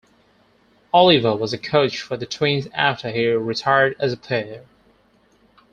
Oliva was a coach for the Twins after he retired as a player.